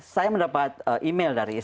saya mendapat email dari